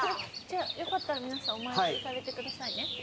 じゃあよかったら皆さんお参り行かれてくださいね。